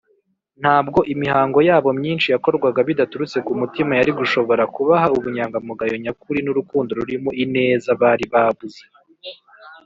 ntabwo imihango yabo myinshi yakorwaga bidaturutse ku mutima yari gushobora kubaha ubunyangamugayo nyakuri n’urukundo rurimo ineza bari babuze,